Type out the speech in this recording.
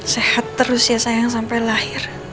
sehat terus ya sayang sampai lahir